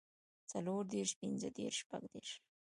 څلور دېرش پنځۀ دېرش شپږ دېرش